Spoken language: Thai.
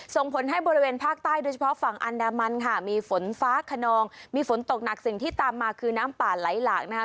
ส่งผลให้บริเวณภาคใต้โดยเฉพาะฝั่งอันดามันค่ะมีฝนฟ้าขนองมีฝนตกหนักสิ่งที่ตามมาคือน้ำป่าไหลหลากนะคะ